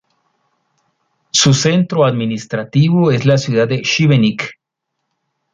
Su centro administrativo es la ciudad de Šibenik.